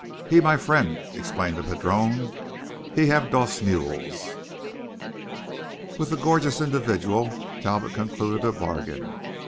"He my fren'," explained the padrone. "He have dose mulas." With the gorgeous individual Talbot concluded a bargain.